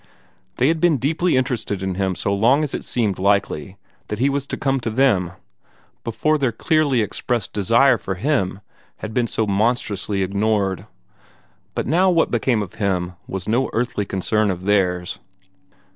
They had been deeply interested in him so long as it seemed likely that he was to come to them before their clearly expressed desire for him had been so monstrously ignored. But now what became of him was no earthly concern of theirs.